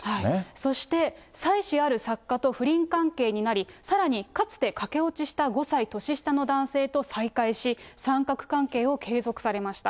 そして、妻子ある作家と不倫関係になり、さらに、かつて駆け落ちした５歳年下の男性と再会し、三角関係を継続されました。